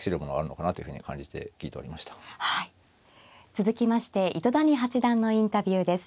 続きまして糸谷八段のインタビューです。